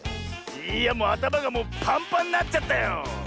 いやあたまがもうパンパンになっちゃったよ！